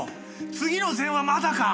次の膳はまだか？